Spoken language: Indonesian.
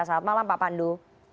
selamat malam pak pandu